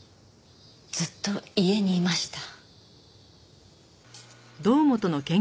ずっと家にいました。